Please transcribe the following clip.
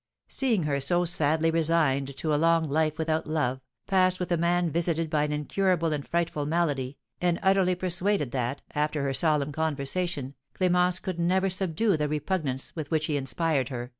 Seeing her so sadly resigned to a long life without love, passed with a man visited by an incurable and frightful malady, and utterly persuaded that, after her solemn conversation, Clémence could never subdue the repugnance with which he inspired her, M.